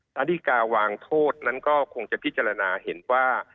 สารดีกาวางโทษนั้นก็คงจะพิจารณาเห็นว่า